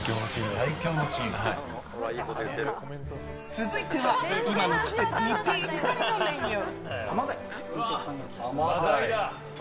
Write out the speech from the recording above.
続いては今の季節にぴったりのメニュー。